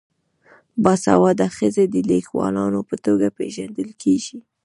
باسواده ښځې د لیکوالانو په توګه پیژندل کیږي.